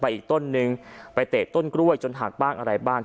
อีกต้นนึงไปเตะต้นกล้วยจนหักบ้างอะไรบ้าง